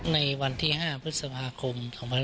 ในวันที่๕พฤษภาคม๒๕๖๒